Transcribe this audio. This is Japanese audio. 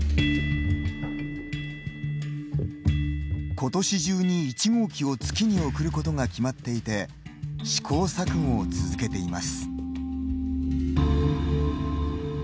今年中に１号機を月に送ることが決まっていて試行錯誤を続けています。